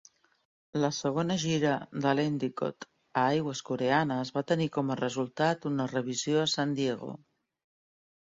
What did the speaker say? La segona gira de l'"Endicott" a aigües coreanes va tenir com a resultat una revisió a San Diego.